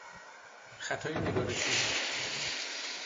خطای نگارشی